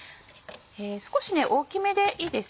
少し大きめでいいです。